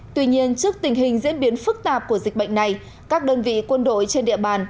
tuy nhiên trước tình hình diễn biến phức tạp của dịch bệnh này các đơn vị quân đội trên địa bàn